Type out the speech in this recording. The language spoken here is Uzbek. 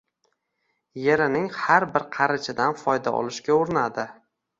yerining har bir qarichidan foyda olishga urinadi.